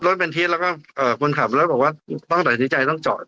รถเป็นทิศแล้วก็คนขับรถบอกว่าต้องตัดสินใจต้องจอด